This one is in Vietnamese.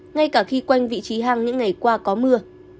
ngay cả khi quanh vị trí hang những ngày qua có mưa